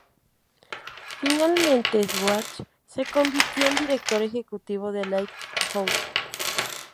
Finalmente, Schwartz se convirtió en director ejecutivo de Lighthouse.